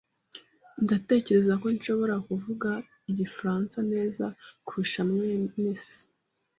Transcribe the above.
Ndatekereza ko nshobora kuvuga igifaransa neza kurusha mwene se.